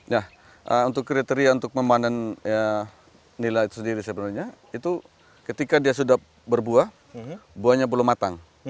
nah untuk kriteria untuk memanen nila itu sendiri sebenarnya itu ketika dia sudah berbuah buahnya belum matang